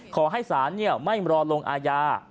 ขอให้ศาลไม่รอลงอาญา